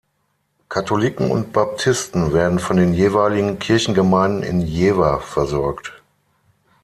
Katholiken und Baptisten werden von den jeweiligen Kirchengemeinden in Jever versorgt.